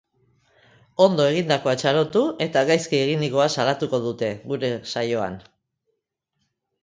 Ondo egindakoa txalotu eta gaizki eginikoa salatuko dute gure saioan.